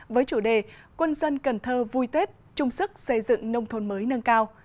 với chủ đề quân dân cần thơ vui tết trung sức xây dựng nông thôn mới nâng cao